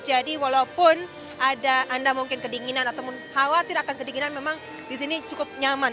jadi walaupun ada anda mungkin kedinginan atau khawatir akan kedinginan memang di sini cukup nyaman